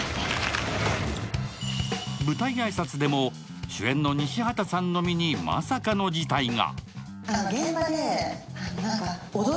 舞台挨拶でも主演の西畑さんの身にまさかの事態が。